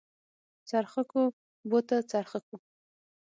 څرخکو بوته څرخکو.